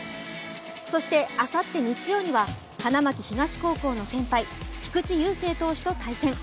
そしてあさって日曜には花巻東高校の先輩、菊池雄星投手と対戦。